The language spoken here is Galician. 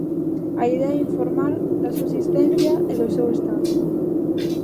A idea é informar da súa existencia e do seu estado.